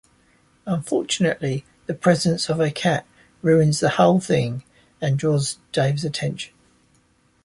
Unfortunately, the presence of a cat ruins the whole thing, and draws Dave's attention.